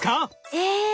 え。